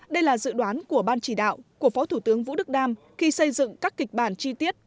đây là dự đoán của ban chỉ đạo của phó thủ tướng vũ đức đam khi xây dựng các kịch bản chi tiết